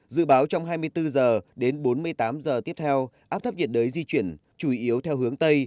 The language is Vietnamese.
dự báo trong hai mươi bốn h đến bốn mươi tám h tiếp theo áp thấp nhiệt đới di chuyển chủ yếu theo hướng tây